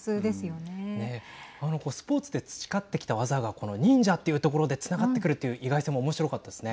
ね、あのスポーツで培ってきた技がこの忍者というところでつながってくるという意外性もおもしろかったですね。